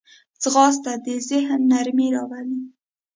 ځغاسته د ذهن نرمي راولي